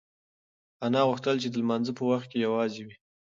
انا غوښتل چې د لمانځه په وخت کې یوازې وي.